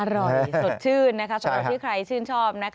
อร่อยสดชื่นสำหรับที่ใครชื่นชอบ